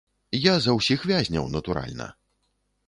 Я за ўсіх вязняў, натуральна.